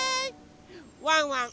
ワンワン